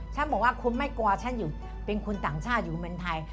ฉันบอกว่าคุณไม่กลัวฉันอยู่เป็นคนต่างชาติอยู่เมืองไทย